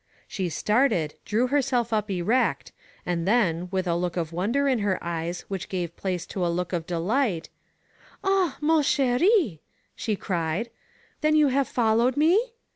She started, drew herself up erect, and then, with a look of wonder in her eyes which gave place to a look of delight : "Ah! man ck&i" she cried. Then you have followed me?